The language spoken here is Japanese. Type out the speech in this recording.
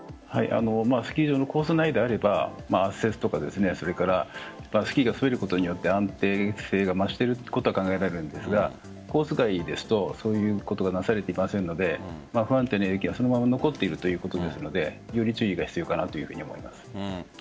スキー場のコース内であればスキーが滑ることによって安定性が増していることが考えられるんですがコース外ですとそういうことがなされていませんので不安定な雪がそのまま残っているということですのでより注意が必要かと思います。